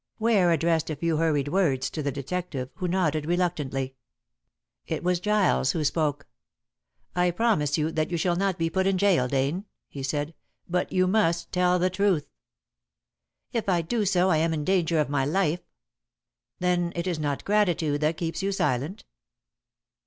Ware addressed a few hurried words to the detective, who nodded reluctantly. It was Giles who spoke. "I promise that you shall not be put in gaol, Dane," he said, "but you must tell the truth." "If I do so I am in danger of my life." "Then it is not gratitude that keeps you silent?"